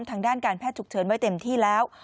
ทางด้านการแพทย์ฉุกเฉินไว้เต็มที่แล้ว